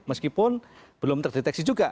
meskipun belum terdeteksi juga